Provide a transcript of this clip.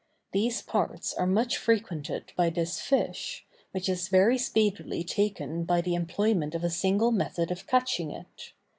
These parts are much frequented by this fish, which is very speedily taken by the employment of a single method of catching it.